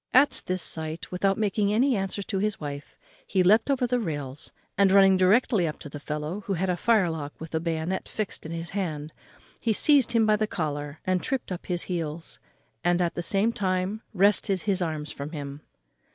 At this sight, without making any answer to his wife, he leapt over the rails, and, running directly up to the fellow, who had a firelock with a bayonet fixed in his hand, he seized him by the collar and tript up his heels, and, at the same time, wrested his arms from him.